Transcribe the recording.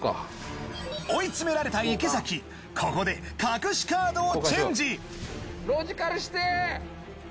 追い詰められた池崎ここで隠しカードをチェンジ１！